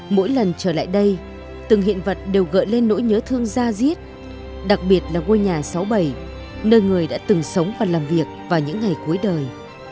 mỗi lần trở lại đây từng hiện vật đều gợi lên nỗi nhớ thương gia diết đặc biệt là ngôi nhà sáu mươi bảy nơi người đã từng sống và làm việc vào những ngày cuối đời